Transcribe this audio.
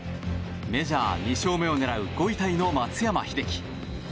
メジャー２勝目を狙う５位タイの松山英樹。